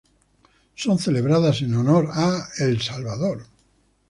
Son celebradas en honor a El Salvador